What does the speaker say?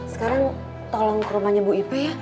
sekarang tolong ke rumahnya bu ip ya